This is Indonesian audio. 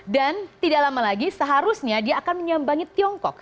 dan tidak lama lagi seharusnya dia akan menyambangi tiongkok